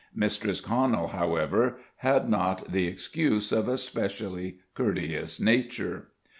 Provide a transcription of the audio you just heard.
Mistress Conal, however, had not the excuse of a specially courteous nature.